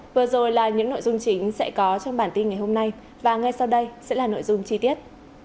vừa rồi là những nội dung chính sẽ có trong bản tin ngày hôm nay và ngay sau đây sẽ là nội dung chi tiết